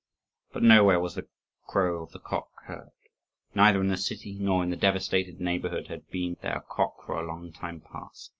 But nowhere was the crow of the cock heard. Neither in the city nor in the devastated neighbourhood had there been a cock for a long time past.